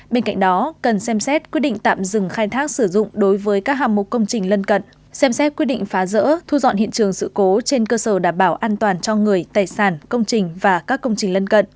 bên cạnh đó cần xem xét quyết định tạm dừng khai thác sử dụng đối với các hạng mục công trình lân cận xem xét quyết định phá rỡ thu dọn hiện trường sự cố trên cơ sở đảm bảo an toàn cho người tài sản công trình và các công trình lân cận